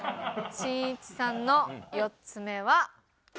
しんいちさんの４つ目はえっ誰？